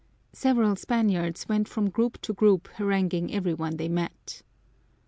Several Spaniards went from group to group haranguing every one they met.